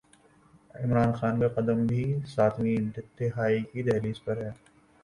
عمران خان کا قدم بھی ساتویں دھائی کی دہلیز پر ہے۔